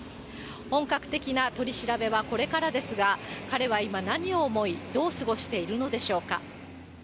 本格的な取り調べはこれからですが、彼は今、何を思い、どう過ごしているのでしょうか。